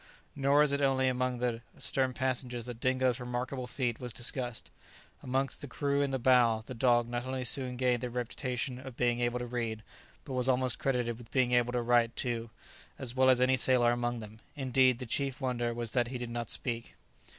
Nor as it only among the stern passengers that Dingo's remarkable feat was discussed; amongst the crew in the bow the dog not only soon gained the reputation of being able to read, but was almost credited with being able to write too, as well as any sailor among them; indeed the chief wonder was that he did not speak.